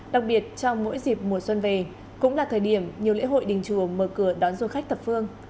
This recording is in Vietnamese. đặc biệt trong mỗi dịp mùa xuân về cũng là thời điểm nhiều lễ hội đình chùa mở cửa đón du khách thập phương